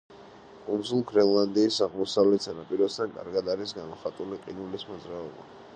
კუნძულ გრენლანდიის აღმოსავლეთ სანაპიროსთან კარგად არის გამოხატული ყინულის მოძრაობა.